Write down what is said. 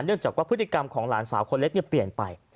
จากว่าพฤติกรรมของหลานสาวคนเล็กเปลี่ยนไป